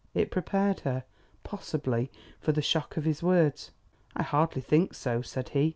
It prepared her, possibly, for the shock of his words: "I hardly think so," said he.